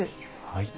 はい。